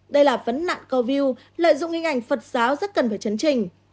đây là vấn nạn câu view lợi dụng hình ảnh phật giá rất cần vào chấn trình